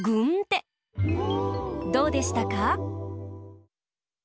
どうでしたか？